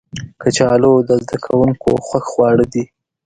کچالو د زده کوونکو خوښ خواړه دي